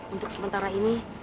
untuk sementara ini